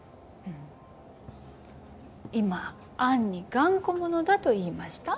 今暗に頑固者だと言いました？